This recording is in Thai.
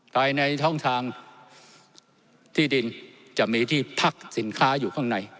ภายในช่องทางที่ดินจะมีที่พักสินค้าอยู่ข้างใน